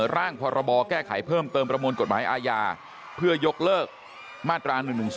ร่างพรบแก้ไขเพิ่มเติมประมวลกฎหมายอาญาเพื่อยกเลิกมาตรา๑๑๒